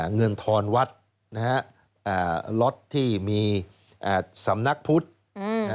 เงินทอนวัดนะฮะล็อตที่มีสำนักพุทธ